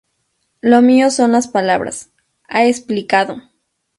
Lo mío son las palabras", ha explicado.